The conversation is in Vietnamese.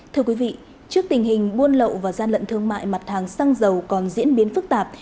thưa quý vị trước tình hình buôn lậu và gian lận thương mại mặt hàng xăng dầu còn diễn biến phức tạp